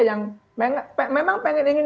yang memang ingin